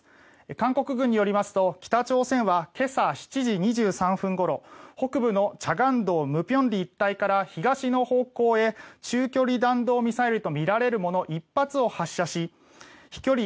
韓国軍によりますと北朝鮮は今朝７時２３分ごろ北部の慈江道舞坪里一帯から東の方向へ中距離弾道ミサイルとみられるもの１発を発射し飛距離